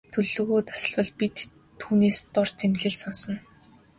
Төлөвлөгөө тасалбал бид түүнээс дор зэмлэл сонсоно.